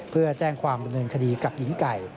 เพื่อแจ้งความดำเนินคดีกับหญิงไก่